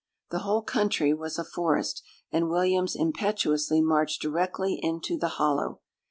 The whole country was a forest, and Williams impetuously marched directly into the hollow.